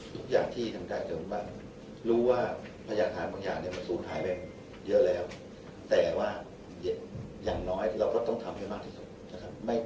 ทุกอย่างที่ท่องกายเติมแล้วแบบรู้ว่าพยาธิวัฆิษฐานบางอย่างจะสูบหายไปเยอะแล้วแต่ว่าอย่างน้อยเราต้องทำเยอะมากที่สุด